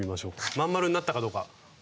真ん丸になったかどうか。